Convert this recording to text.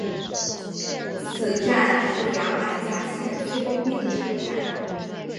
此站是牙买加线最东面的车站。